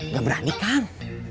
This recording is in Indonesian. gak berani kang